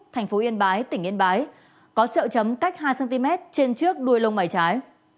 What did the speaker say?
thành phố yên bái tỉnh yên bái có sẹo chấm cách hai cm trên trước đuôi lông mảy trái